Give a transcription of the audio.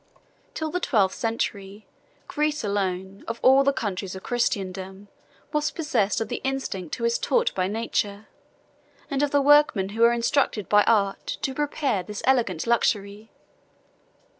21 Till the twelfth century, Greece alone, of all the countries of Christendom, was possessed of the insect who is taught by nature, and of the workmen who are instructed by art, to prepare this elegant luxury.